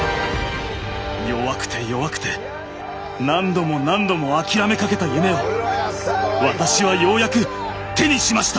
弱くて弱くて何度も何度も諦めかけた夢を私はようやく手にしました。